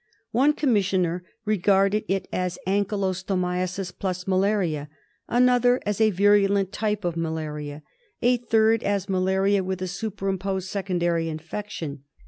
One commissioner regarded it as Ankylostomiasis plus malaria ; another as a virulent type of malaria ; a third as malaria with a super imposed secondary infection.